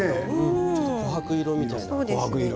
ちょっとこはく色みたいな。